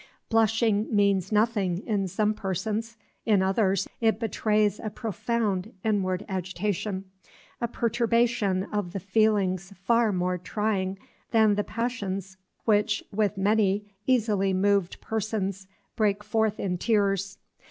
Blushing means nothing, in some persons; in others, it betrays a profound inward agitation, a perturbation of the feelings far more trying than the passions which with many easily moved persons break forth in tears.